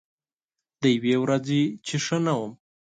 د یوې ورځې چې ښه نه وم